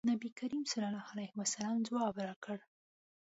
نبي کریم صلی الله علیه وسلم ځواب راکړ.